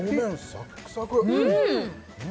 サックサク何